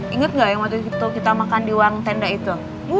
ingat nggak yang waktu itu kita makan di ruang tenda itu